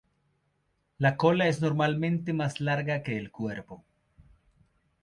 La cola es normalmente más larga que el cuerpo.